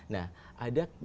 nah ada kain lain